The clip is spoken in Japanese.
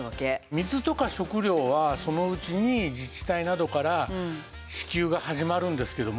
水とか食料はそのうちに自治体などから支給が始まるんですけども。